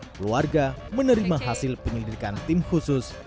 keluarga menerima hasil penyelidikan tim khusus